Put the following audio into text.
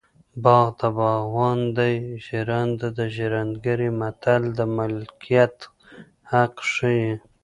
باغ د باغوان دی ژرنده د ژرندګړي متل د ملکیت حق ښيي